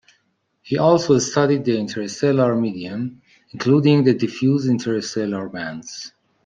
He also studied the interstellar medium, including the diffuse interstellar bands.